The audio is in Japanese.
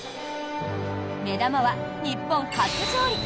目玉は、日本初上陸！